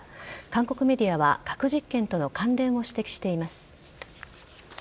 韓国メディアは核実験との関連を指摘しています。